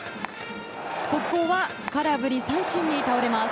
ここは空振り三振に倒れます。